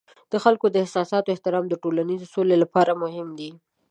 د خلکو د احساساتو احترام د ټولنیز سولې لپاره مهم دی.